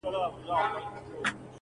دغه خوار ملنگ څو ځايه تندی داغ کړ.